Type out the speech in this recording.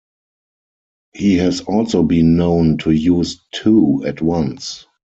He has also been known to use two at once.